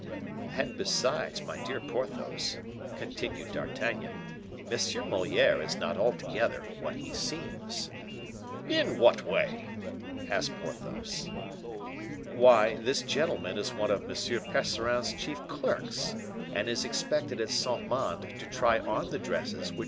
"And besides, my dear Porthos," continued D'Artagnan, "M. Moliere is not altogether what he seems." "In what way?" asked Porthos. "Why, this gentleman is one of M. Percerin's chief clerks, and is expected at Saint Mande to try on the dresses which M.